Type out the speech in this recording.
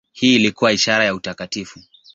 Hii ilikuwa ishara ya utakatifu.